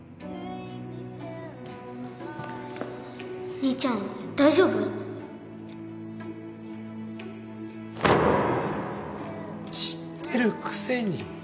兄ちゃん大丈夫？知ってるくせに。